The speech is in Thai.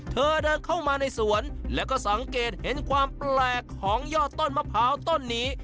เดินเข้ามาในสวนแล้วก็สังเกตเห็นความแปลกของยอดต้นมะพร้าวต้นนี้